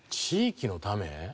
地域のため？